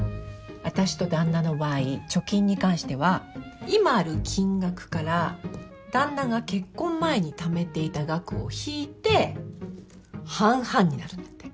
あたしと旦那の場合貯金に関しては今ある金額から旦那が結婚前にためていた額を引いて半々になるんだって。